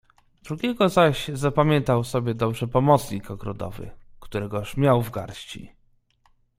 "Drugiego zaś zapamiętał sobie dobrze pomocnik ogrodowy, którego już miał w garści."